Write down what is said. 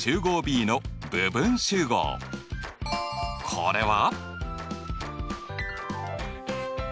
これは？